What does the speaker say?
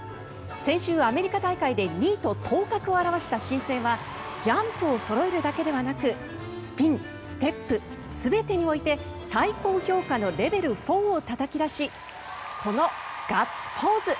先週、アメリカ大会で２位と頭角を現した新星はジャンプをそろえるだけではなくスピン、ステップ全てにおいて最高評価のレベル４をたたき出しこのガッツポーズ。